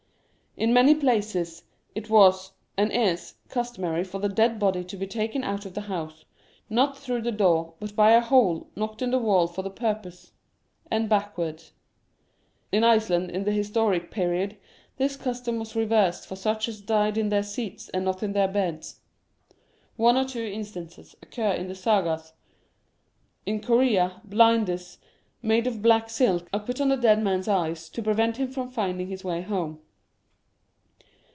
In many places it was, and is, customary for the dead body to be taken out of the house, not through the door, but by a hole knocked in the wall for the purpose, and backwards. In Iceland in the historic period this custom was reserved for such as died in their seats and not in their beds. One or two instances occur in the Sagas. In Corea, blinders made of black silk are put on the dead man's eyes, to prevent him from finding his way home.